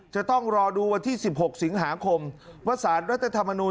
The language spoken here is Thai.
จะต้องรอดูวันที่๑๖สิงหาคมว่าสารรัฐธรรมนูล